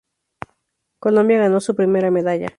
Colombia ganó su primera medalla.